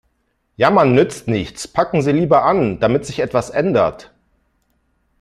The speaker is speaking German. Jammern nützt nichts, packen Sie lieber an, damit sich etwas ändert.